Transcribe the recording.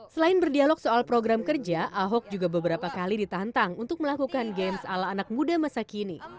selain berdialog soal program kerja ahok juga beberapa kali ditantang untuk melakukan games ala anak muda masa kini